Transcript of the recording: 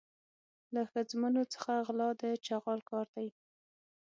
له ښځمنو څخه غلا د چغال کار دی.